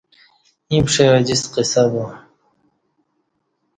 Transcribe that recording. ییں پشئ اوجستہ قصہ با